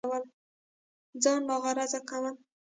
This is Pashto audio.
ځان ناغرضه كول